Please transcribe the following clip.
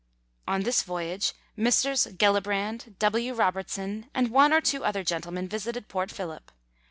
On this voyage Messrs. Gellibrand, W. Robertson, and one or two other gentlemen visited Port Phillip.